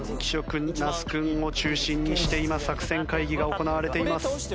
君那須君を中心にして今作戦会議が行われています。